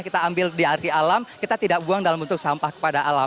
kita ambil di arti alam kita tidak buang dalam bentuk sampah kepada alam